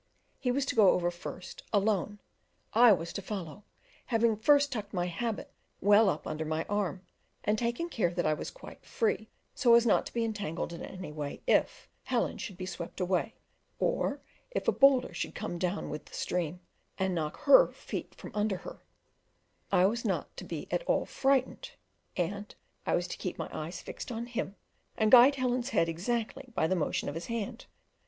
He was to go over first, alone; I was to follow, having first tucked my habit well up under my arm, and taken care that I was quite free so as not to be entangled in any way if Helen should be swept away, or if a boulder should come down with the stream, and knock her feet from under her: I was not to be at all frightened (!), and I was to keep my eyes fixed on him, and guide Helen's head exactly by the motion of his hand.